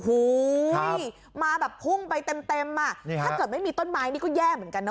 โอ้โหมาแบบพุ่งไปเต็มอ่ะถ้าเกิดไม่มีต้นไม้นี่ก็แย่เหมือนกันนะ